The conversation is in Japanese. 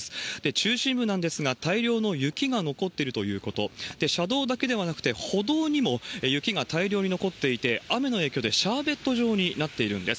中心部なんですが、大量の雪が残っているということ、車道だけではなくて、歩道にも雪が大量に残っていて、雨の影響でシャーベット状になっているんです。